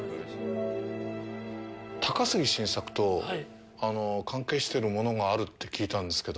高杉晋作と関係してるものがあるって聞いたんですけど。